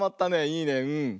いいねうん。